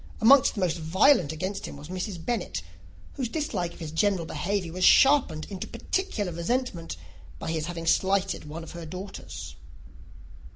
Amongst the most violent against him was Mrs. Bennet, whose dislike of his general behaviour was sharpened into particular resentment by his having slighted one of her daughters.